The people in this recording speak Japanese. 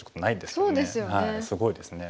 すごいですね。